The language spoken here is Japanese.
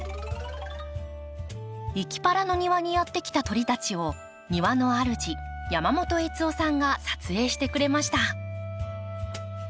いきパラの庭にやって来た鳥たちを庭の主山本悦雄さんが撮影してくれました。